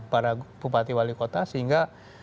para bupati wali kota sehingga